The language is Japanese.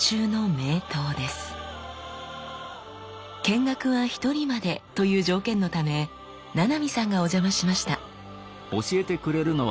見学は一人までという条件のため七海さんがお邪魔しました。